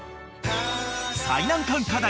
［最難関課題